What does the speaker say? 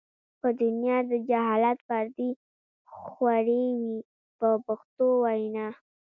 په دنیا د جهالت پردې خورې وې په پښتو وینا.